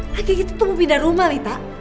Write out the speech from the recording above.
lagi gitu tuh mau pindah rumah mita